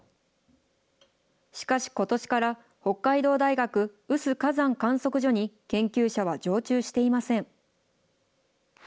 しかしことしから、北海道大学有珠火山観測所に、研究者は常駐していません。